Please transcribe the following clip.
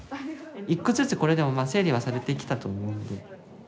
１個ずつこれでもまあ整理はされてきたと思うんで。